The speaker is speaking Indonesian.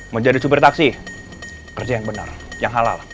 menjadi sumber taksi kerja yang benar yang halal